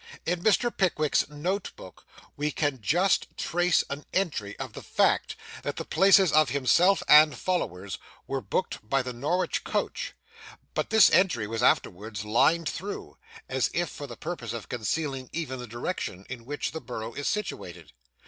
In Mr. Pickwick's note book, we can just trace an entry of the fact, that the places of himself and followers were booked by the Norwich coach; but this entry was afterwards lined through, as if for the purpose of concealing even the direction in which the borough is situated.